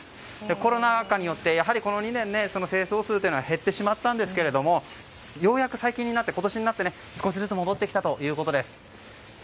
コロナ禍によってやはりこの２年、製造数は減ってしまったんですがようやく今年になって少しずつ戻ってきたということです。